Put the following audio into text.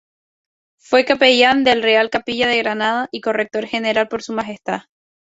Fue capellán de la Real Capilla de Granada y corrector general por Su Majestad.